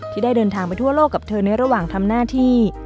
ที่ได้เดินทางไปทั่วโลกกับเธอในระหว่างทำหน้าที่